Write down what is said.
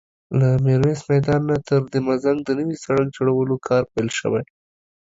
له ميرويس میدان نه تر دهمزنګ د نوي سړک جوړولو کار پیل شوی